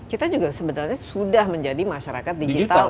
kita juga sebenarnya sudah menjadi masyarakat digital